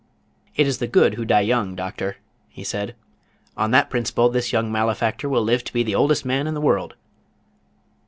"It is the good who die young, Doctor," he said. "On that principle this young malefactor will live to be the oldest man in the world."